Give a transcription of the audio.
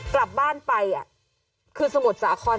กลับบ้านไปคือสมุดสาขอน